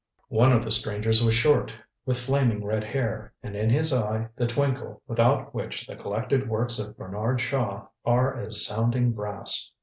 One of the strangers was short, with flaming red hair and in his eye the twinkle without which the collected works of Bernard Shaw are as sounding brass.